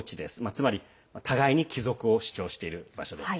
つまり互いに帰属を主張している場所です。